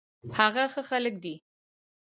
هغه ښه هلک دی